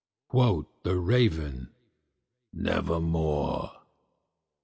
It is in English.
Quoth the Raven, "Nevermore."